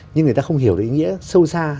nhưng người ta không hiểu ý nghĩa sâu xa